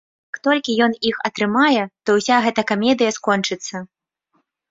Як толькі ён іх атрымае, то ўся гэта камедыя скончыцца.